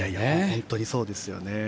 本当にそうですよね。